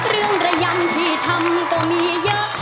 เรื่องระยังที่ทำก็มีเยอะ